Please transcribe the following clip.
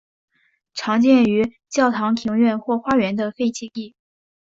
常见于教堂庭院或花园的废弃地。